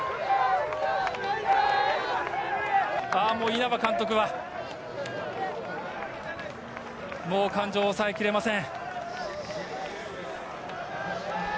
稲葉監督は、もう感情を抑え切れません。